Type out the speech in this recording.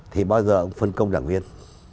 thì bao giờ ông phân công đảng viên